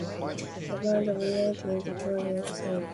The band returned for a second album titled "Primo Victoria".